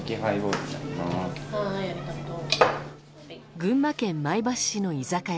群馬県前橋市の居酒屋。